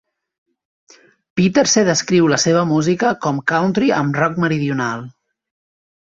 Pieterse descriu la seva música com "country amb rock meridional".